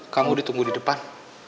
kamu ditunggu di depan